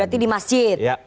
berarti di masjid